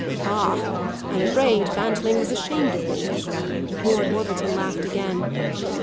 "Ah, I'm afraid Bantling was ashamed of me," Lord Warburton laughed again.